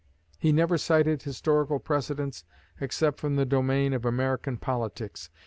He never cited historical precedents except from the domain of American politics.